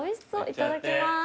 いただきます。